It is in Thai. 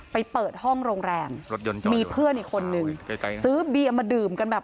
ไปเปิดห้องโรงแรมมีเพื่อนอีกคนนึงซื้อเบียร์มาดื่มกันแบบ